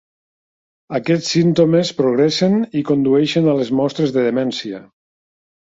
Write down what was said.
Aquests símptomes progressen i condueixen a les mostres de demència.